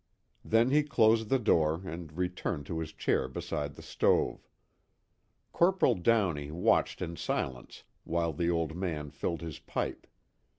Then he closed the door and returned to his chair beside the stove. Corporal Downey watched in silence while the old man filled his pipe.